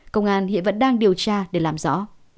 công an hiện vẫn đang điều tra để làm rõ